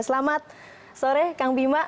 selamat sore kang bima